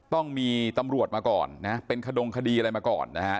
ต้องมีตำรวจมาก่อนนะเป็นขดงคดีอะไรมาก่อนนะฮะ